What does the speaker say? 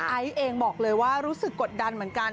ไอซ์เองบอกเลยว่ารู้สึกกดดันเหมือนกัน